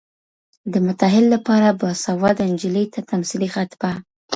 د متاهل لپاره باسواده نجلۍ ته تمثيلي خطبه